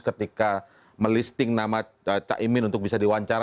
ketika melisting nama caimin untuk bisa diwawancara